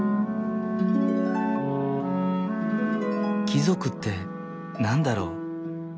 貴族って何だろう？